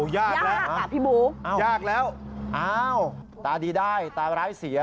ยากแล้วยากอ่ะพี่บุ๊คยากแล้วอ้าวตาดีได้ตาร้ายเสีย